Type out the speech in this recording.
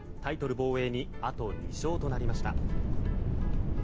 防衛にあと２勝となりました。